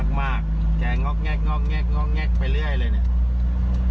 อันตรายมากแกงอกแงกไปเรื่อยเลยเนี่ย